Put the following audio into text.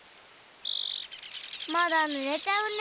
まだぬれちゃうね。